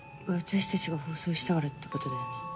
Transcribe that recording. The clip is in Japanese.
私たちが放送したからってことだよね。